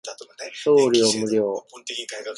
送料無料